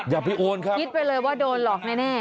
อย่าไปโอนครับคิดไปเลยว่าโดนหลอกแน่